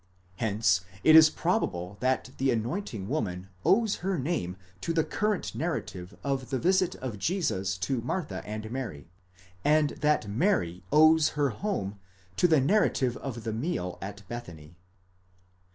Hence it is probable that the anointing woman owes her name to the current narrative of the visit of Jesus to Martha and Mary, and that Mary owes her home to the narrative of the meal at Bethany.